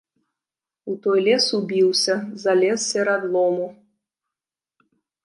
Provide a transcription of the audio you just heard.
У той лес убіўся, залез серад лому.